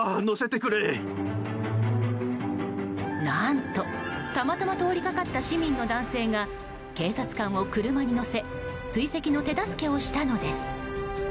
何と、たまたま通りかかった市民の男性が警察官を車に乗せ追跡の手助けをしたのです。